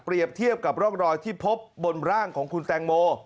เทียบกับร่องรอยที่พบบนร่างของคุณแตงโม